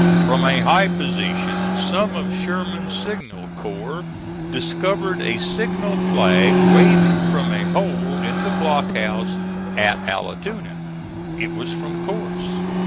From a high position some of Sherman's signal corps discovered a signal flag waving from a hole in the block house at Allatoona. It was from Corse.